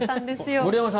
森山さん